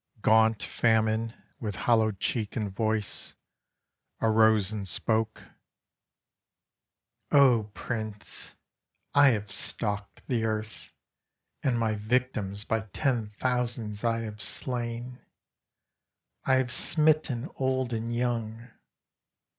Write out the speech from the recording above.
Gaunt Famine, with hollow cheek and voice, arose and spoke, "O, Prince, I have stalked the earth, And my victims by ten thousands I have slain, I have smitten old and young.